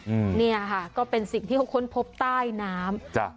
อืมเนี่ยค่ะก็เป็นสิ่งที่เขาค้นพบใต้น้ำจ้ะ